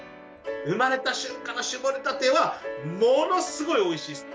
生まれた瞬間の搾りたては、ものすごいおいしい。